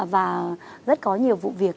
và rất có nhiều vụ việc